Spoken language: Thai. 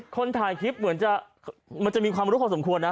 คนถ่ายคลิปเหมือนจะมันจะมีความรู้พอสมควรนะ